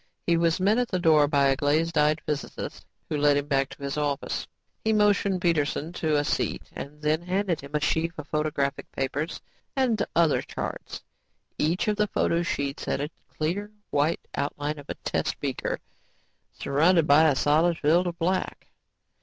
He was met at the door by a glazed eyed physicist who led him back to his office. He motioned Peterson to a seat and then handed him a sheaf of photographic papers and other charts. Each of the photo sheets had a clear, white outline of a test beaker surrounded by a solid field of black.